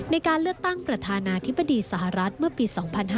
ในการเลือกตั้งประธานาธิบดีสหรัฐเมื่อปี๒๕๕๙